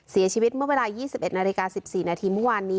เสียชีวิตเมื่อเวลา๒๑นาฬิกา๑๔นาทีเมื่อวานนี้